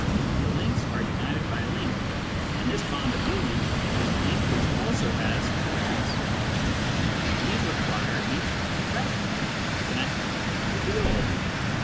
The links are united by a link, and this bond of union is a link which also has two ends ; and these require each a fresh link to connect them with the old.